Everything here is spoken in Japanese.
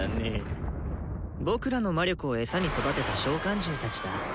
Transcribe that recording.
僕らの魔力をエサに育てた召喚獣たちだ。